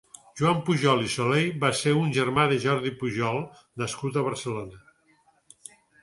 Joan Pujol i Soley va ser un germà de Jordi Pujol nascut a Barcelona.